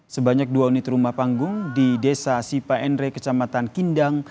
sebanyak dua unit rumah panggung di desa sipaenre kecamatan kindang